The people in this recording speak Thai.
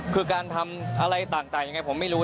คือการทำอะไรต่างยังไงผมไม่รู้